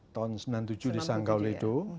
tahun sembilan puluh tujuh di sangkaulido